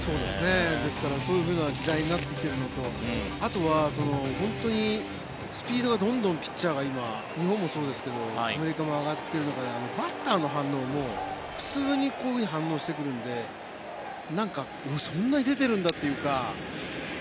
ですから、そういう時代になってきているのとあとは本当にスピードがどんどんピッチャーが今日本もそうですけどアメリカも上がっている中でバッターの反応も普通にこういうのに反応をしてくるのでそんなに出てるんだっていうか。